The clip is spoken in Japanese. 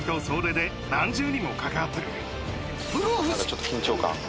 ちょっと緊張感。